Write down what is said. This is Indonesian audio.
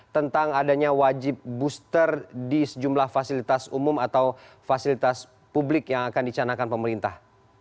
tentang adanya wajib booster di sejumlah fasilitas umum atau fasilitas publik yang akan dicanakan pemerintah